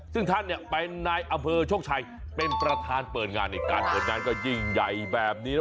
ซึ่งท่านเนี่ยเป็นนายอำเภอโชคชัยเป็นประธานเปิดงานในการเปิดงานก็ยิ่งใหญ่แบบนี้